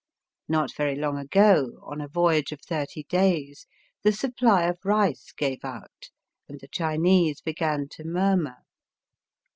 Not very long ago, on a voyage of thirty days, the supply of rice gave out and the Chinese began to murmur.